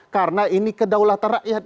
karena ini kedaulatan rakyat